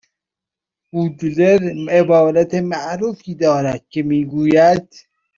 بودلر عبارت معروفی دارد که میگوید